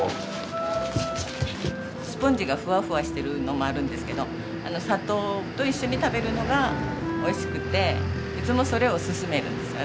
スポンジがふわふわしてるのもあるんですけど砂糖と一緒に食べるのがおいしくていつもそれを勧めるんです私。